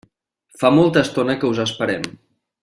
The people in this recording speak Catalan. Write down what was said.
Fa molta estona que us esperem.